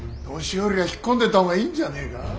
年寄りは引っ込んでた方がいいんじゃねえか。